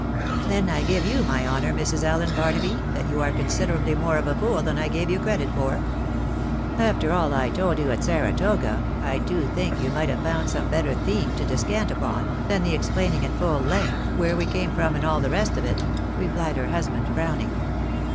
" Then I give you my honour, Mrs. Allen Barnaby, that you are considerably more of a fool than I gave you credit for. After all I told you at Saratoga, I do think you might have found some better theme to descant upon, than the explaining at full length 295 wliere we came from and all tlie rest of it," replied her husband, frowning.